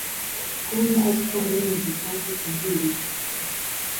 Kumwe aziko muri muzika nzi kubwiriza